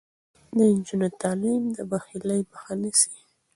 د نجونو تعلیم د بخیلۍ مخه نیسي.